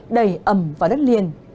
đầy ẩm và đất liền